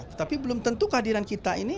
tetapi belum tentu kehadiran kita ini